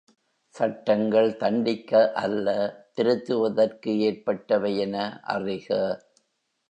சட்டங்கள் தண்டிக்க அல்ல திருத்துவதற்கு ஏற்பட்டவை என அறிக.